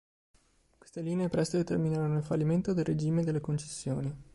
Queste linee presto determinarono il fallimento del regime delle concessioni.